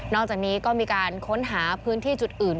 อกจากนี้ก็มีการค้นหาพื้นที่จุดอื่น